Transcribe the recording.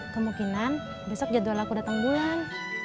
kemungkinan besok jadwal aku datang bulan